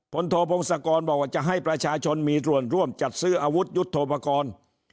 โทพงศกรบอกว่าจะให้ประชาชนมีส่วนร่วมจัดซื้ออาวุธยุทธโปรกรณ์